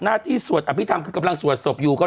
ที่สวดอภิษฐรรมคือกำลังสวดศพอยู่